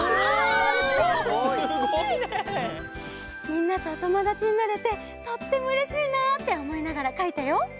みんなとおともだちになれてとってもうれしいなっておもいながらかいたよ。